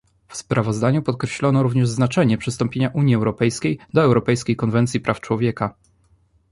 W sprawozdaniu podkreślono również znaczenie przystąpienia Unii Europejskiej do europejskiej konwencji praw człowieka